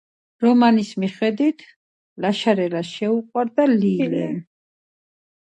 ამავე წელს საქართველოს სპორტისა და ახალგაზრდულ საქმეთა სამინისტრომ დაასახელა წლის საუკეთესო სპორტსმენად.